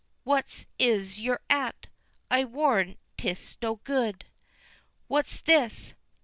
What is't you're at? I warrant 'tis no good! What's this?